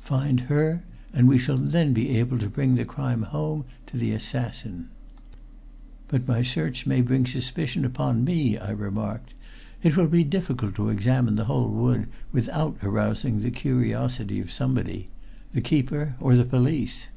Find her, and we shall then be able to bring the crime home to the assassin." "But my search may bring suspicion upon me," I remarked. "It will be difficult to examine the whole wood without arousing the curiosity of somebody the keeper or the police."